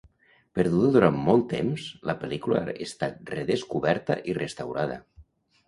Perduda durant molt temps, la pel·lícula ha estat redescoberta i restaurada.